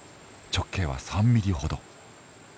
直径は３ミリほど。